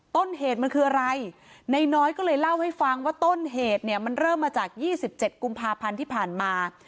ต้นเหตุมันคืออะไรนายน้อยก็เลยเล่าให้ฟังว่าต้นเหตุเนี่ยมันเริ่มมาจาก๒๗กุมภาพันธ์ที่ผ่านมา